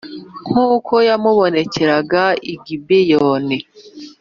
nk’uko yamubonekeraga i Gibeyoni